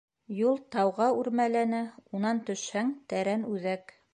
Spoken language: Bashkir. Юл тауға үрмәләне, унан төшһәң - Тәрән үҙәк.